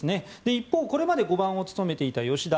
一方、これまで５番を務めていた吉田。